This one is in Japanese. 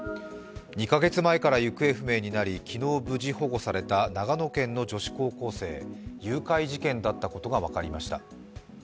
２か月前から行方不明になり昨日、無事保護された長野県の女子高校生、誘拐事件だったことが分かりました。